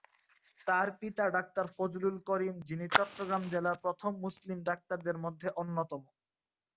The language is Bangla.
তার পিতা ডা: ফজলুল করিম, যিনি চট্টগ্রাম জেলার প্রথম মুসলিম ডাক্তারদের মধ্যে অন্যতম।